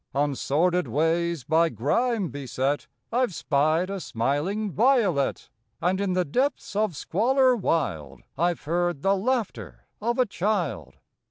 On sordid ways by grime beset I ve spied a smiling violet, And in the depths of squalor wild I ve heard the laughter of a child.